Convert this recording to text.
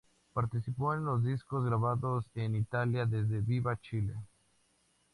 Participó en los discos grabados en Italia, desde "Viva Chile!